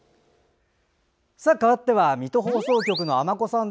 かわっては水戸放送局の尼子さん。